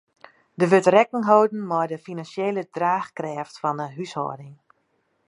Der wurdt rekken holden mei de finansjele draachkrêft fan 'e húshâlding.